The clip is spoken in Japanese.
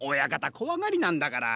こわがりなんだから。